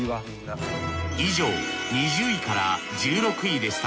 以上２０位から１６位でした。